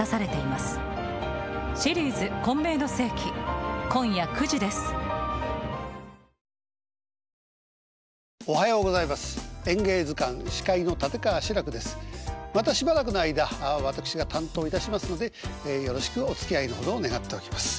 またしばらくの間私が担当いたしますのでよろしくおつきあいのほどを願っておきます。